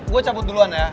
gue cabut duluan ya